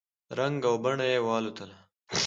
رنګ او بڼه یې والوتله !